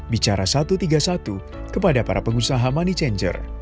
bicara satu ratus tiga puluh satu kepada para pengusaha money changer